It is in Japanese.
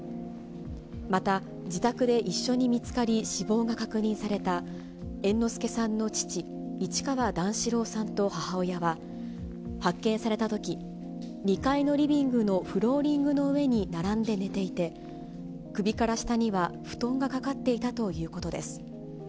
また、自宅で一緒に見つかり、死亡が確認された猿之助さんの父、市川段四郎さんと母親は、発見されたとき、２階のリビングのフローリングの上に並んで寝ていて、首から下には布団がかかっていたということです。